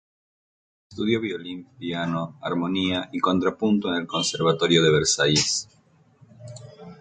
Estudió violín, piano, armonía y contrapunto en el conservatorio de Versalles.